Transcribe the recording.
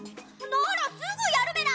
ならすぐやるメラ！